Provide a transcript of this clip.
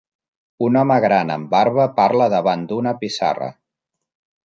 Un home gran amb barba parla davant d'una pissarra.